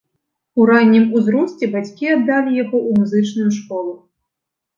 У раннім узросце бацькі аддалі яго ў музычную школу.